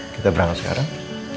kita berangkat sekarang